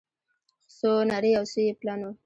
څو نري او څو يې پلن وه